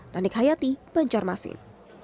nandik hayati banjarmasin